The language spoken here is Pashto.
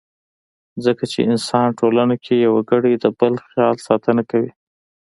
ځکه چې انساني ټولنه کې يو وګړی د بل خیال ساتنه کوي.